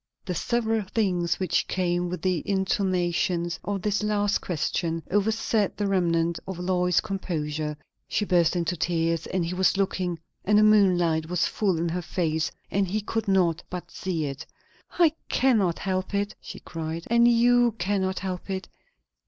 The several things which came with the intonations of this last question overset the remnant of Lois's composure. She burst into tears; and he was looking, and the moonlight was full in her face, and he could not but see it. "I cannot help it," she cried; "and you cannot help it.